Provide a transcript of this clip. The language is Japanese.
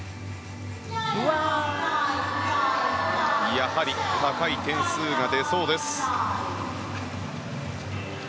やはり高い点数が出そうです。